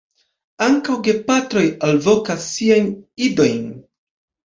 Ankaŭ gepatroj alvokas siajn idojn.